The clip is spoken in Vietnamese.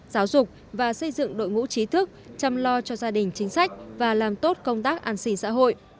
giáo dục và xây dựng đội ngũ trí thức chăm lo cho gia đình chính sách và làm tốt công tác an sinh xã hội